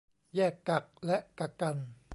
แยกกักและกักกัน